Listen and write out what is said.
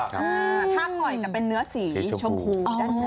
ทางอ้อยจะเป็นเนื้อสีชูงคู